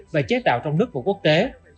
và chế tạo trong nước của quốc tế